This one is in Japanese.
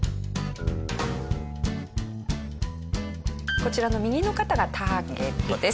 こちらの右の方がターゲットです。